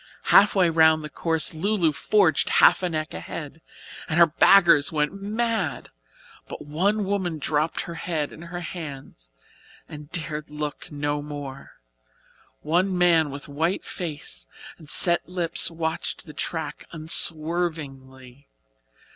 Half way round the course "Lu Lu" forged half a neck ahead, and her backers went mad. But one woman dropped her head in her hands and dared look no more. One man with white face and set lips watched the track unswervingly.